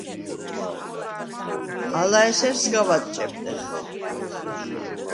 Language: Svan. ალა ესერ სგავ ადჭებდეხ.